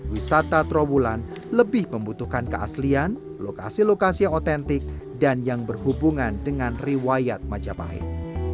wisata trawulan lebih membutuhkan keaslian lokasi lokasi yang otentik dan yang berhubungan dengan riwayat majapahit